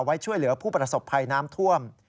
ไว้ช่วยเหลือผู้ประสบภัยน้ำท่วม